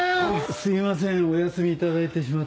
すみませんお休み頂いてしまって。